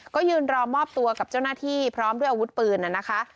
ก็ยืนรอมอบตัวกับเจ้าหน้าที่พร้อมด้วยอาวุธปืนนะคะ